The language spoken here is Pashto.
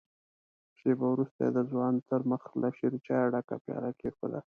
شېبه وروسته يې د ځوان تر مخ له شيرچايه ډکه پياله کېښوده.